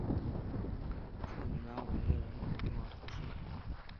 帕尼拉维勒人口变化图示